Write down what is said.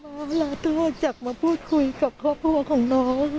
เข้ามาลาท่วนจากมาพูดคุยกับครอบครัวของน้อง